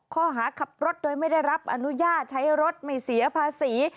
ข้อหาขับรถโดยไม่ได้รับอนุญาตใช้รถไม่เสียภาษี